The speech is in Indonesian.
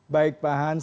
baik pak hans